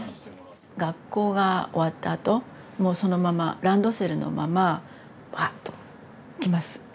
学校が終わったあともうそのままランドセルのままわっと来ます。